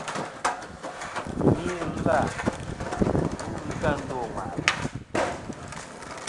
Wù n-tùmi ɨlvâ bu ghɨ kɨ a ndô ŋwàʼlɨ̀.